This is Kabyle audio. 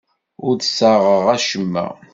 Ur d-ssaɣeɣ acemma.